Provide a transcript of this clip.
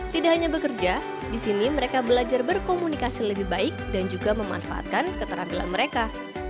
tidak hanya bekerja di sini mereka belajar berkomunikasi lebih baik dan juga memanfaatkan keterampilan mereka